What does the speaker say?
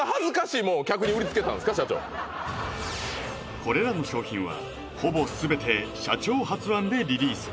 これらの商品はほぼ全て社長発案でリリース